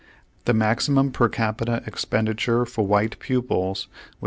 The maxirhum per capita ex penditure for v/hite pupils was $36.